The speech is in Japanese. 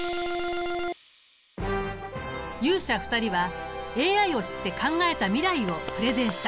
勇者２人はＡＩを知って考えた未来をプレゼンした。